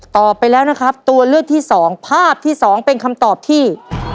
ตอบไปแล้วนะครับตัวเลือกที่สองภาพที่สองเป็นคำตอบที่